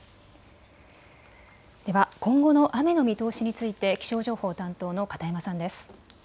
では今後の雨の見通しについて気象情報担当の片山さんです。